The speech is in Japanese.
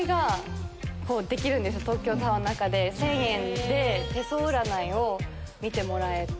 東京タワーの中で１０００円で手相を見てもらえて。